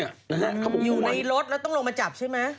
อยู่ในรถแล้วต้องลงมาจับใช่ไหม